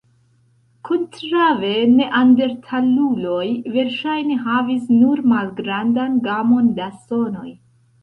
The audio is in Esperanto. Kontraŭe, neandertaluloj verŝajne havis nur malgrandan gamon da sonoj.